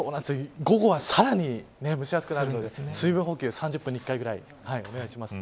午後はさらに蒸し暑くなるので水分補給、３０分に１回ぐらいお願いします。